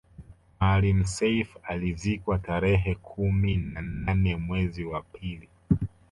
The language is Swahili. Maalim Self alizikwa tarehe kumi na nane mwezi wa pili